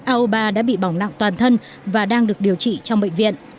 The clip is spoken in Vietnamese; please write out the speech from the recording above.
aoba đã bị bỏng nặng toàn thân và đang được điều trị trong bệnh viện